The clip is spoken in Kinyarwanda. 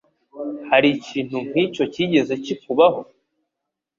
Hari ikintu nkicyo cyigeze kikubaho?